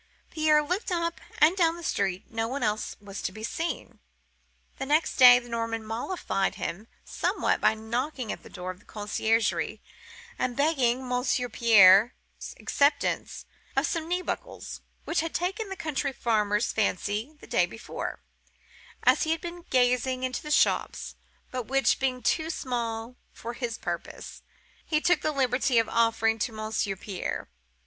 Pierre looked up and down the street; no one else was to be seen. The next day, the Norman mollified him somewhat by knocking at the door of the conciergerie, and begging Monsieur Pierre's acceptance of some knee buckles, which had taken the country farmer's fancy the day before, as he had been gazing into the shops, but which, being too small for his purpose, he took the liberty of offering to Monsieur Pierre.